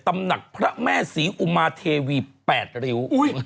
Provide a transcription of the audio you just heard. ตำหนักพระแม่ศรีอุมาเทวี๘ริ้ว